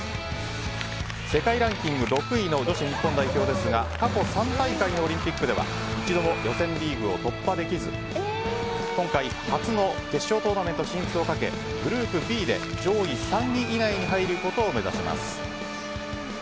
世界ランキング６位の女子日本代表ですが過去３大会のオリンピックでは一度も１次リーグを突破できず今回、初の決勝トーナメント進出をかけグループＢで上位３位以内に入ることを目指します。